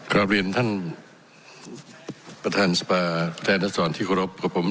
ครอบเรียนท่านประธานสปาแทนทัศนที่โครบกับผม